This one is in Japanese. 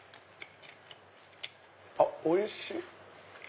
あっおいしい！